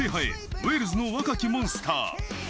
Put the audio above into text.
ウェールズの若きモンスター！